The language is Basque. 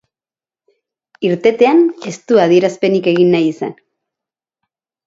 Irtetean ez du adierazpenik egin nahi izan.